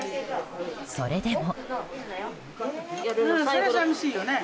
それでも。